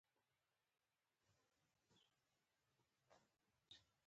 آیا البرټا او کیوبیک اقتصادي اختلافات نلري؟